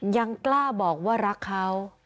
ยังกล้าบอกว่ารักเขา